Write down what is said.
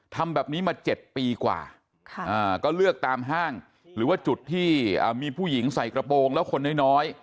ทำแบบนี้มา๗ปีกว่าก็เลือกตามห้างหรือว่าจุดที่มีผู้หญิงใส่กระโปรงแล้วคนน้อย